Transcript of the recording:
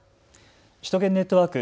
首都圏ネットワーク。